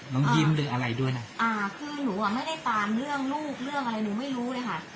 น้องยิ้มหรืออะไรด้วยนะอ่าคือหนูอ่ะไม่ได้ตามเรื่องลูกเรื่องอะไรหนูไม่รู้เลยค่ะ